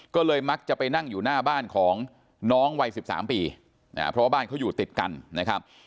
ก็เลยมักจะไปนั่งอยู่หน้าบ้านของน้องวัย๑๓ปีเพราะว่าบ้านเขาอยู่ติดกันนะครับ